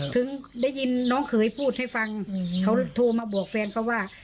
ถึงได้ยินน้องเขยพูดให้ฟังเขาโทรมาบอกแฟนเขาว่า